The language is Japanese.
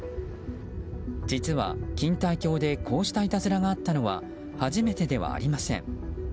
実は、錦帯橋でこうしたいたずらがあったのは初めてではありません。